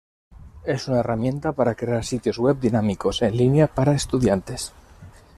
Es una herramienta para crear sitios web dinámicos en línea para estudiantes.